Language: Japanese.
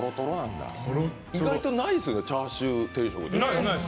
意外とないですね、チャーシュー定食って。